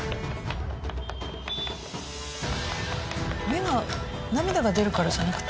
目が涙が出るからじゃなくて？